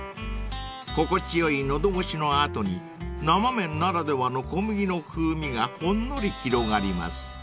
［心地よい喉越しのあとに生麺ならではの小麦の風味がほんのり広がります］